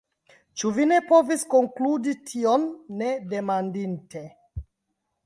« Ĉu vi ne povis konkludi tion, ne demandinte?"